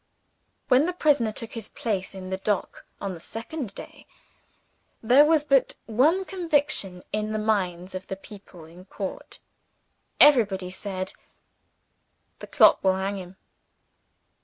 When the prisoner took his place in the dock on the second day, there was but one conviction in the minds of the people in court everybody said, "The clock will hang him."